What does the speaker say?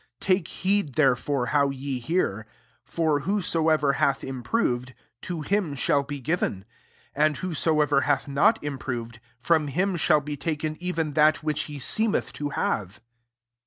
18 Take heed therefore how ye hear: for whosoever hath in^roved^ to him shall be given ; aad whosoever hath not im firoved from him shall be taken even that which he seemeth to have.